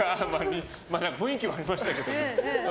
雰囲気はありましたけど。